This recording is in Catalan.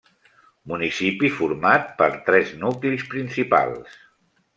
Municipi format per tres nuclis principals: